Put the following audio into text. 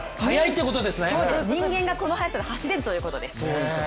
そうです、人間がこの速さで走れるということです。